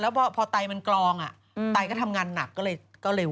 แล้วพอไตมันกลองไตก็ทำงานหนักก็เลยเร็ว